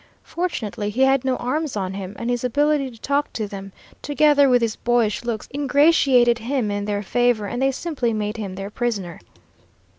Fortunately he had no arms on him, and his ability to talk to them, together with his boyish looks, ingratiated him in their favor, and they simply made him their prisoner.